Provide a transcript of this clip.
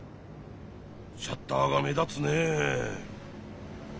シャッターが目立つねえ。